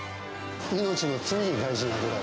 命の次に大事。